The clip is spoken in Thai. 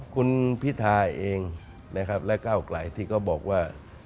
คุณผิดทาเองและเก้าไกลที่ก็บอกว่า